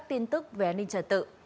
các tin tức về an ninh trời tự